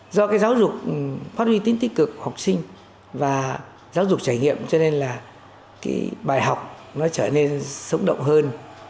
do giáo dục phát huy tính tích cực của học sinh và giáo dục trải nghiệm cho nên là bài học trở nên sống động hơn